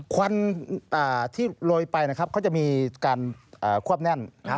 ควันที่ลยไปเขาจะมีการควับแน่น